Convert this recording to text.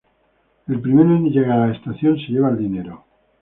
El primero en llegar a la estación se lleva el dinero.